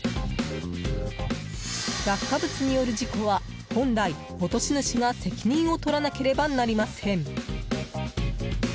落下物による事故は本来、落とし主が責任を取らなければなりません。